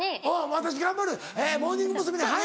「私頑張るモーニング娘。に入る」。